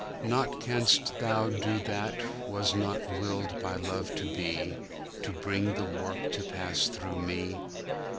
'Naught canst thou do that was not willed By Love to be, To bring the Work to pass through Me.